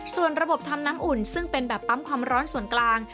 ส่วนระบบทำน้ำอุ่นซึ่งเป็นแบบปั๊มความร้อนส่วนกลาง